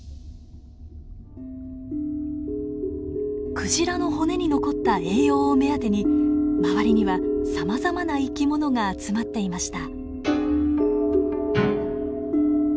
クジラの骨に残った栄養を目当てに周りにはさまざまな生き物が集まっていました。